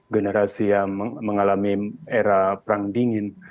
generasi yang mengalami era perang dingin